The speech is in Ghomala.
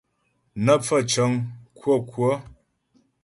Nə́ pfaə̂ cəŋ kwə́kwə́.